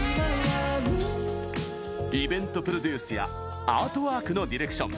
イベントプロデュースやアートワークのディレクション